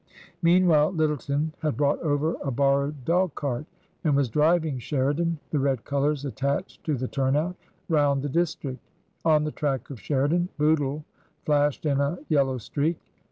Meanwhile, Lyttleton had brought over a borrowed dog cart, and was driving Sheridan — the Red colours attached to the turn out — round the district. On the track of Sheridan, Bootle flashed in a Yellow streak.